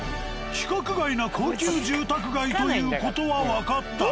規格外な高級住宅街という事はわかったが。